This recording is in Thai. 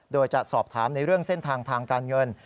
โดยจะสอบถามในเรื่องเส้นทางทางการเงิน